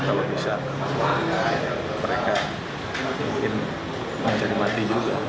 kalau bisa mereka mungkin mencari mati juga